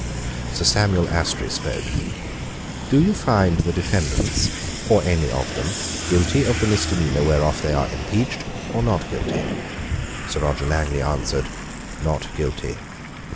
Sir Samuel Astry spoke. "Do you find the defendants, or any of them, guilty of the misdemeanour whereof they are impeached, or not guilty?" Sir Roger Langley answered, "Not guilty."